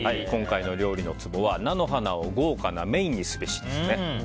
今回の料理のツボは菜の花を豪華なメインにすべしです。